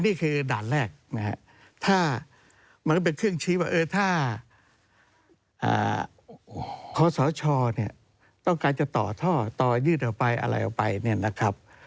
นี่คือด่านแรกนะครับถ้ามันต้องเป็นเครื่องชี้ว่าถ้าคศเนี่ยต้องการจะต่อท่อต่อยืดออกไปอะไรออกไปเนี่ยนะครับ